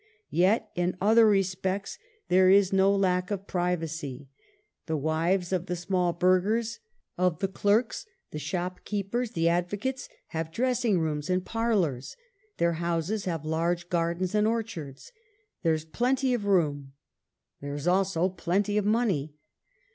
Yet in other respects there is no lack 244 MARGARET OF ANGOULEME. of privacy. The wives of the small burghers — of the clerks, the shopkeepers, the advocates — have dressing rooms and parlors. Their houses have large gardens and orchards. There is plenty of room. There is, also, plenty of money.